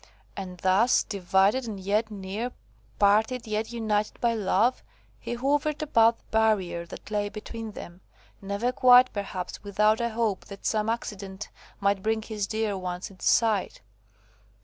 And thus, divided and yet near, parted yet united by love, he hovered about the barrier that lay between them, never quite, perhaps, without a hope that some accident might bring his dear ones into sight.